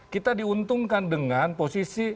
kita diuntungkan dengan posisi